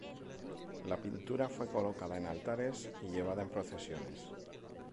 La pintura fue colocada en altares y llevada en procesiones.